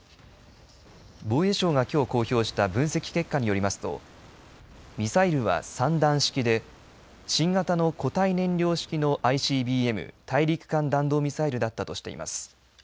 防衛省がきょう公表した分析結果によりますとミサイルは３段式で新型の固体燃料式のＩＣＢＭ大陸間弾道ミサイルだったとしています。